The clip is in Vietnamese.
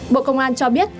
bộ công an cho biết